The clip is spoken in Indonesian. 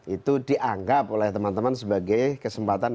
itu dianggap oleh teman teman sebagai kesempatan